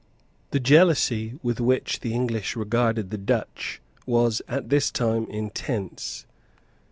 The jealousy with which the English regarded the Dutch was at this time intense.